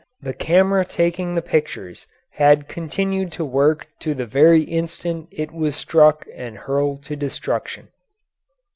The camera taking the pictures had continued to work to the very instant it was struck and hurled to destruction.